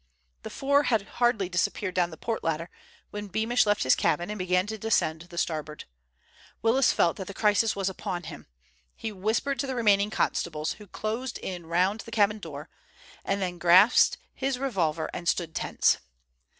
The four had hardly disappeared down the port ladder when Beamish left his cabin and began to descend the starboard. Willis felt that the crisis was upon him. He whispered to the remaining constables, who closed in round the cabin door, then grasped his revolver, and stood tense.